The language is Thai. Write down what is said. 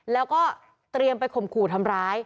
แล้วก็เตรียมไปข่มขู่ทำร้าย